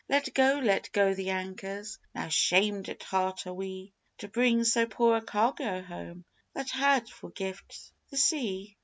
Let go, let go the anchors; Now shamed at heart are we To bring so poor a cargo home That had for gift the sea!